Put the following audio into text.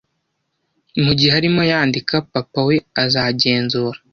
Mugihe arimo yandika, papa we azagenzura.